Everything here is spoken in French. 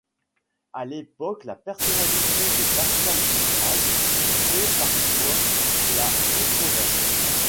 À l'époque, la personnalité de Pascal Dupraz crée parfois la controverse.